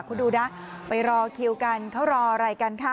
คุณดูนะไปรอคิวกันเขารออะไรกันค่ะ